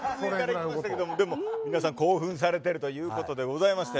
でも皆さん興奮されているということでございます。